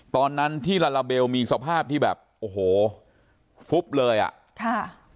ตอนนั้นที่ลาลาเบลมีสภาพที่แบบโอ้โหฟุ๊บเลยอ่ะค่ะ